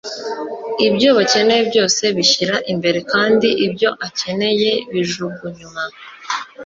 ibyo bakeneye byose bishyira imbere kandi ibyo akeneye bijugunywa